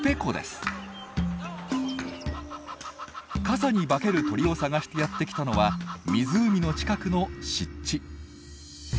傘に化ける鳥を探してやって来たのは湖の近くの湿地。